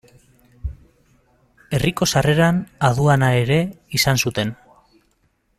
Herriko sarreran aduana ere izan zuten.